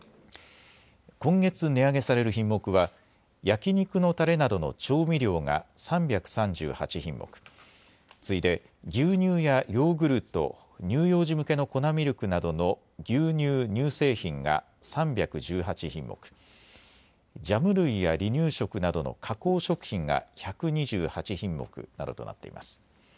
今月、値上げされる品目は焼き肉のたれなどの調味料が３３８品目、次いで牛乳やヨーグルト、乳幼児向けの粉ミルクなどの牛乳・乳製品が３１８品目、ジャム類や離乳食などの加工食品が１２８品目などとなっています。